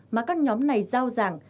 mà các nhóm này giao giảng